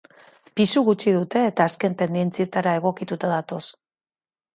Pisu gutxi dute eta azken tendentzietara egokituta datoz.